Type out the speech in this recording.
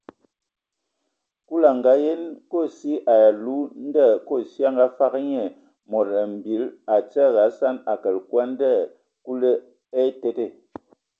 Kulu a ngakǝ yen kosi ai alu, ndɔ kosi a ngafag nye mod mbil a tiege a sɔŋ a kələg kwi a ndɛ Kulu a etede.